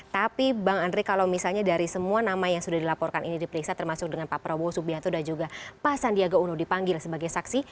tapi bang andre kalau misalnya dari semua nama yang sudah dilaporkan ini diperiksa termasuk dengan pak prabowo subianto dan juga pak sandiaga uno dipanggil sebagai saksi